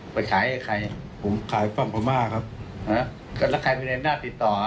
ไปขายให้ใครผมขายฝั่งประมาทครับฮะแล้วใครเป็นในหน้าติดต่อ